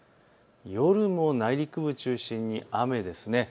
夜も内陸部中心に雨です。